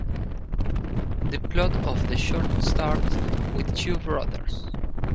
The plot of the short starts with two brothers.